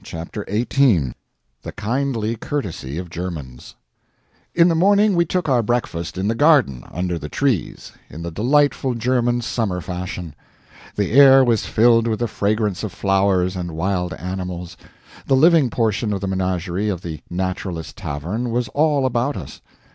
CHAPTER XVIII [The Kindly Courtesy of Germans] In the morning we took breakfast in the garden, under the trees, in the delightful German summer fashion. The air was filled with the fragrance of flowers and wild animals; the living portion of the menagerie of the "Naturalist Tavern" was all about us.